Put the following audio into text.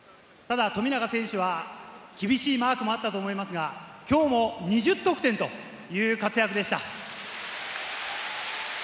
ただ富永選手は厳しいマークもあったと思いますが、きょうも２０得点という活躍でした。